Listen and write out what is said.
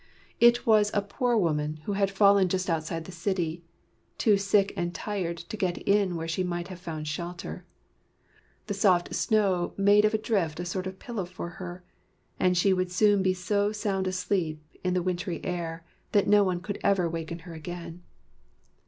It was a poor woman, who had fallen just outside the city, too sick and tired to get in where she might have found shelter. The soft snow made of a drift a sort of pillow for her, and she would soon be so sound asleep, in the wintry air, that no one could ever waken her again.